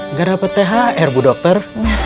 nggak dapat thr bu dokter